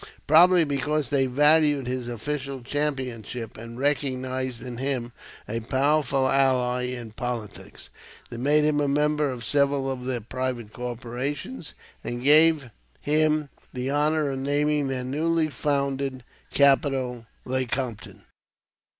Probably because they valued his official championship and recognized in him a powerful ally in politics, they made him a member of several of their private corporations, and gave him the honor of naming their newly founded capital Lecompton.